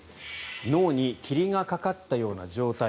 脳に霧がかかったような状態